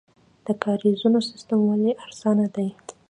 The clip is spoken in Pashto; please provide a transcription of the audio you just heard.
د کاریزونو سیستم ولې ارزانه دی؟